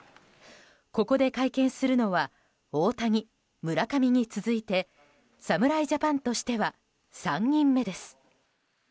ここで会見するのは大谷、村上に続いて侍ジャパンとしては３人目です。